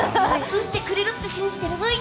打ってくれるって信じてるブイ。